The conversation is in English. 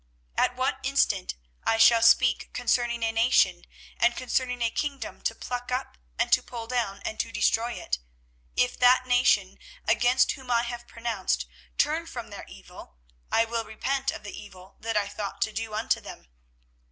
24:018:007 At what instant I shall speak concerning a nation, and concerning a kingdom, to pluck up, and to pull down, and to destroy it; 24:018:008 If that nation, against whom I have pronounced, turn from their evil, I will repent of the evil that I thought to do unto them.